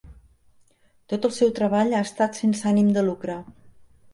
Tot el seu treball ha estat sense ànim de lucre.